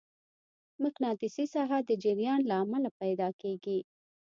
مقناطیسي ساحه د جریان له امله پیدا کېږي.